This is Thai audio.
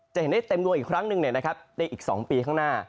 จะเห็นได้เต็มดวงอีกครั้งหนึ่งในอีก๒ปีข้างหน้า